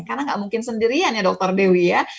karena nggak mungkin sendirian ya dr dewi ya